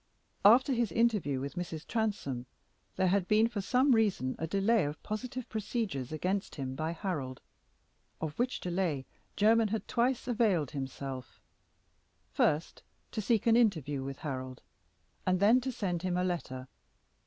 After his interview with Mrs. Transome there had been for some reasons a delay of positive procedures against him by Harold, of which delay Jermyn had twice availed himself; first, to seek an interview with Harold, and then to send him a letter.